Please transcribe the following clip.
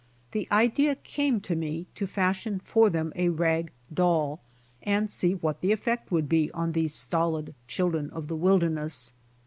The idea came to me to fashion for them a rag doll and see what the effect would be on these stolid children of the wilderness.